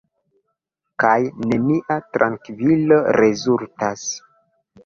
Kaj nenia trankvilo rezultas.